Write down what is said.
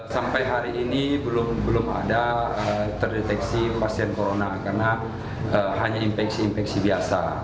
sampai hari ini belum ada terdeteksi pasien corona karena hanya infeksi infeksi biasa